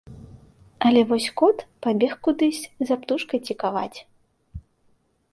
Але вось кот пабег кудысь за птушкай цікаваць.